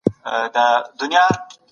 دیني فکر انسان ته شخصیت ورکوي.